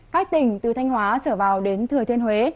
các tỉnh từ thanh hóa trở vào đến thừa thiên huế